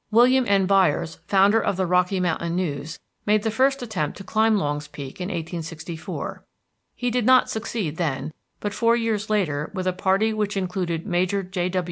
William N. Byers, founder of the Rocky Mountain News, made the first attempt to climb Longs Peak in 1864. He did not succeed then, but four years later, with a party which included Major J.